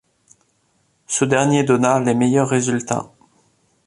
Ce dernier donna les meilleurs résultats.